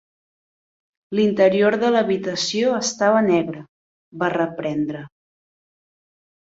"L'interior de l'habitació estava negre", va reprendre.